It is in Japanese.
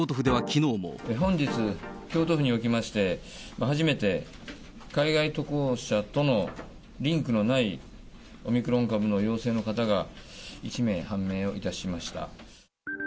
本日、京都府におきまして、初めて海外渡航者とのリンクのないオミクロン株の陽性の方が１名判明をいたしました。